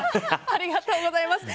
ありがとうございます。